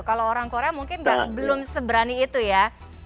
kalau orang korea mungkin belum seberani itu ya